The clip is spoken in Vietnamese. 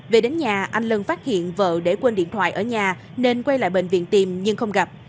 về đến nhà anh lân phát hiện vợ để quên điện thoại ở nhà nên quay lại bệnh viện tìm nhưng không gặp